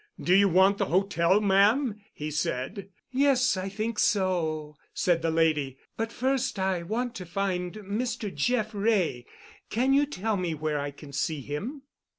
"Do you want the hotel, ma'am?" he said. "Yes, I think so," said the lady. "But first I want to find Mr. Jeff Wray. Can you tell me where I can see him?"